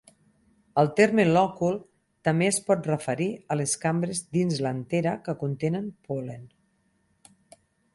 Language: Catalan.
El terme lòcul també es pot referir a les cambres dins l'antera que contenen pol·len.